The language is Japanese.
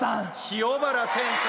塩原先生。